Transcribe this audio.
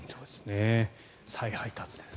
再配達です。